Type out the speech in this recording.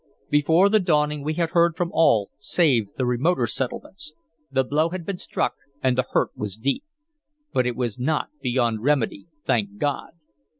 Before the dawning we had heard from all save the remoter settlements. The blow had been struck, and the hurt was deep. But it was not beyond remedy, thank God!